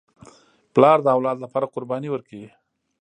پلار د اولاد لپاره قرباني ورکوي.